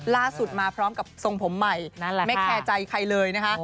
ล่าสุดมาพร้อมกับทรงผมใหม่ไม่แคร์ใจใครเลยนะคะ